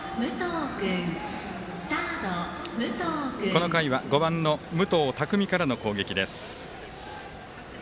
この回は５番の武藤匠海からの攻撃です。